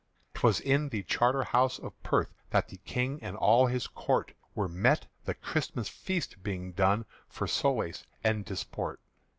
'T was in the Charterhouse of Perth That the King and all his Court Were met, the Christmas Feast being done, For solace and disport.